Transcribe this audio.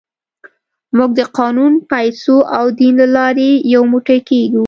موږ د قانون، پیسو او دین له لارې یو موټی کېږو.